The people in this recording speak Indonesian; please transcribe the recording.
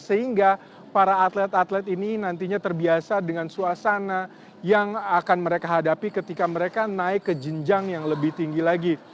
sehingga para atlet atlet ini nantinya terbiasa dengan suasana yang akan mereka hadapi ketika mereka naik ke jenjang yang lebih tinggi lagi